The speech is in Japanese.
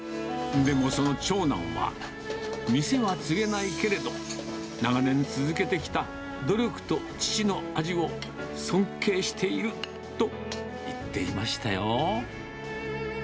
でも、その長男は、店は継げないけれど、長年続けてきた努力と父の味を尊敬していると言っていましたよ。